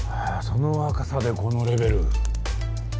その若さでこのレベル？